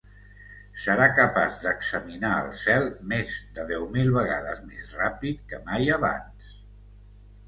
Serà capaç d'examinar el cel més de deu mil vegades més ràpid que mai abans.